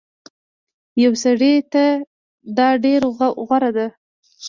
يو سړي ته دا ډير غوره ده